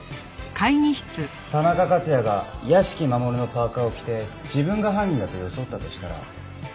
田中克也が屋敷マモルのパーカを着て自分が犯人だと装ったとしたら。